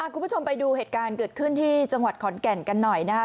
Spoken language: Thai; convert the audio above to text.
คุณผู้ชมไปดูเหตุการณ์เกิดขึ้นที่จังหวัดขอนแก่นกันหน่อยนะคะ